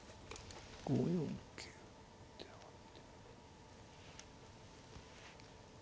５四桂で上がって。